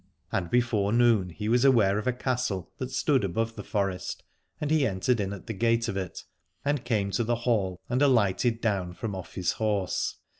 And before noon he was aware of a castle that stood above the forest, and he entered in at the gate of it and came to 1 20 Aladore the hall and alighted down from off his horse.